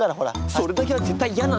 それだけは絶対嫌なの！